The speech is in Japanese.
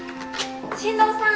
進藤さん！